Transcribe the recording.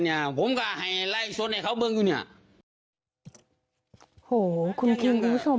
ยังมีทุกคนรอกที่นั่น